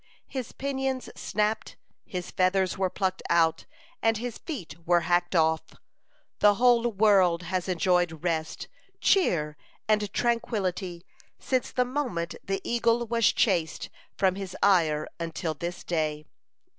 His pinions snapped, his feathers were plucked out, and his feet were hacked off. The whole world has enjoyed rest, cheer, and tranquillity since the moment the eagle was chased from his eyrie until this day.